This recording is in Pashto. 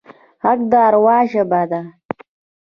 غږ د اروا ژبه ده